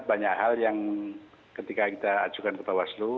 banyak hal yang ketika kita ajukan ke bawaslu